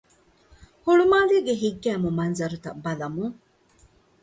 ހުޅުމާލޭގެ ހިތްގައިމު މަންޒަރުތައް ބަލަމުން